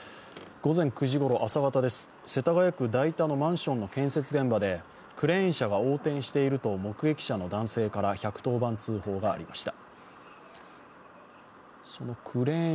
午前９時ごろ、朝方世田谷区代田のマンションの建設現場でクレーン車が横転していると目撃者の男性から１１０番通報がありました。